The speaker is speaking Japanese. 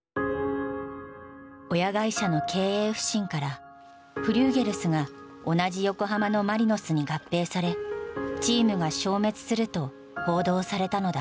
親会社の経営不振からフリューゲルスが同じ横浜のマリノスに合併されチームが消滅すると報道されたのだ。